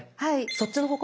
そっちの方向